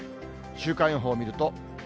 週間予報を見ると。